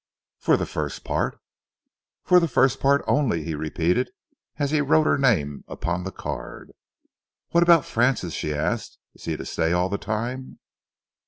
"For the first part?" "For the first part only," he repeated, as he wrote her name upon the card. "What about Francis?" she asked. "Is he to stay all the time?"